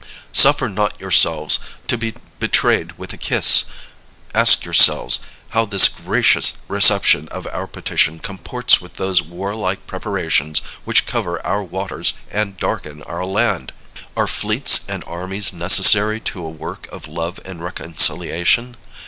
Suffer not yourselves to be betrayed with a kiss. Ask yourselves how this gracious reception of our petition comports with those warlike preparations which cover our waters and darken our land. Are fleets and armies necessary to a work of love and reconciliation?